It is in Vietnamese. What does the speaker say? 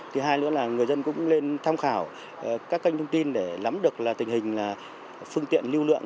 thứ hai nữa là người dân cũng nên tham khảo các kênh thông tin để lắm được tình hình phương tiện lưu lượng